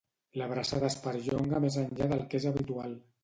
L'abraçada es perllonga més enllà del que és habitual.